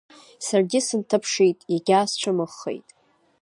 Саргьы сынҭаԥшит, иагьаасцәымӷхеит…